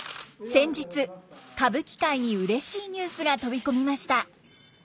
先日歌舞伎界にうれしいニュースが飛び込みました。